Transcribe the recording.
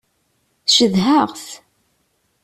Cedhaɣ-t.